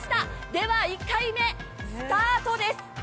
では１回目、スタートです。